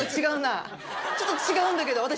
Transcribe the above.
ちょっと違うんだけど私。